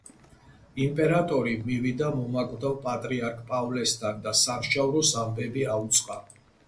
იმპერატორი მივიდა მომაკვდავ პატრიარქ პავლესთან და სამსჯავროს ამბები აუწყა.